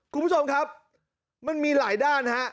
คุณผู้ชมครับมันมีหลายด้านฮะ